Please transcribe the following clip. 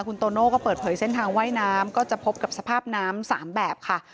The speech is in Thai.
คุณโตโน่ก็เปิดเผยเส้นทางว่ายน้ำก็จะพบกับสภาพน้ำ๓แบบค่ะ